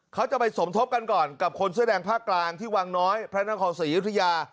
เขาจะไปสมทบกันก่อนกับคนเสื้อแดงภาคกลางที่วังน้อยพระนครศรียุธยา